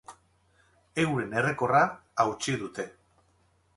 Euren errekorra hautsi dute.